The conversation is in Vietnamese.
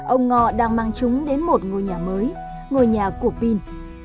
ông ngọ đang mang chúng đến một ngôi nhà mới ngôi nhà của pin